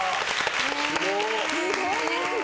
すごいですね。